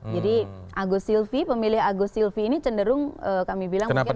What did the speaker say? jadi agus silvi pemilih agus silvi ini cenderung kami bilang mungkin labil